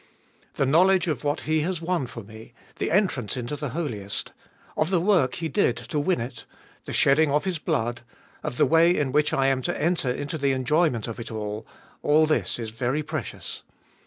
The knowledge of what He has won for me, the entrance into the Holiest ; of the work He did to win it, the shedding of His blood ; of the way in which I am to enter into the enjoyment of it all — all this is very precious.